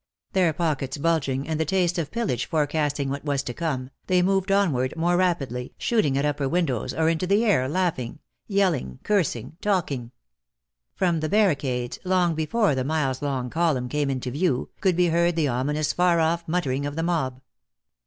Their pockets bulging, and the taste of pillage forecasting what was to come, they moved onward more rapidly, shooting at upper windows or into the air, laughing, yelling, cursing, talking. From the barricades, long before the miles long column came into view, could be heard the ominous far off muttering of the mob.